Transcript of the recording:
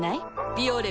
「ビオレ」